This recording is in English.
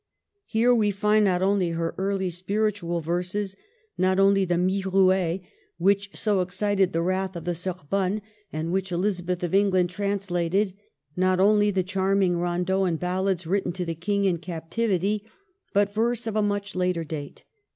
Here we find not only her early spiritual verses, not only the "Myrouer" which NERAC in ISJiB. 277 so excited the wrath of the Sorbonne, and which Ehzabeth of England translated, not only the charming rondeaux and ballads writ ten to the King in captivity, but verse of a much later date.